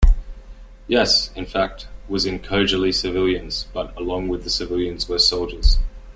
Yes, in fact, was in Khojaly civilians, but along with the civilians were soldiers.